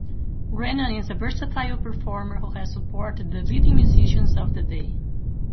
Brennan is a versatile performer who has supported the leading musicians of the day.